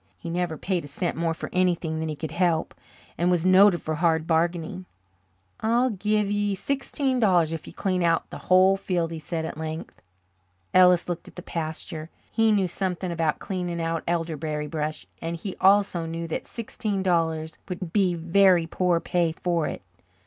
He never paid a cent more for anything than he could help, and was noted for hard bargaining. "I'll give ye sixteen dollars if you clean out the whole field," he said at length. Ellis looked at the pasture. He knew something about cleaning out elderberry brush, and he also knew that sixteen dollars would be very poor pay for it.